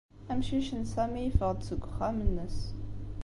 Amcic n Sami yeffeɣ-d seg uxxam-nnes.